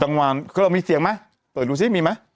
กลางวันคือเรามีเสียงไหมเปิดดูซิมีไหม